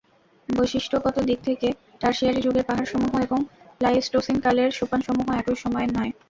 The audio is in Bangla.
বৈশিষ্ট্যগত দিক থেকে টারশিয়ারি যুগের পাহাড়সমূহ এবং প্লাইস্টোসিন কালের সোপানসমূহ একই সময়ের নয়।